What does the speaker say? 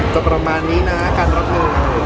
ก็ประมาณนี้นะการรักเธอ